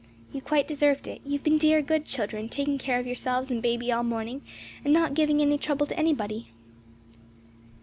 "You quite deserved it; you have been dear, good children, taking care of yourselves and baby all morning, and not giving any trouble to anybody."